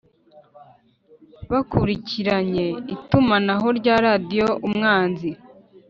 bakurikiranye itumanaho rya radiyo umwanzi.